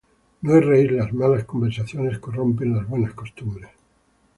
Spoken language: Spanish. No erréis: las malas conversaciones corrompen las buenas costumbres.